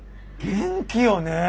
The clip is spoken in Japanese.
元気よねえ。